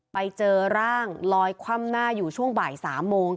ไปเจอร่างลอยคว่ำหน้าอยู่ช่วงบ่าย๓โมง